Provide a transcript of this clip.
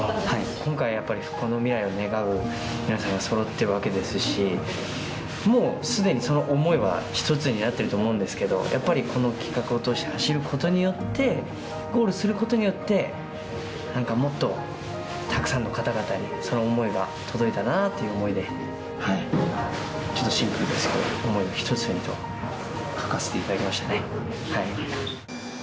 今回やっぱり、復興の未来を願う皆さんがそろってるわけですし、もうすでにその想いは一つになってると思うんですけど、やっぱり、この企画を通して、走ることによって、ゴールすることによって、なんかもっと、たくさんの方々にその想いが届いたらなという想いで、ちょっとシンプルですけど、想いを一つにと書かせていただきましたね。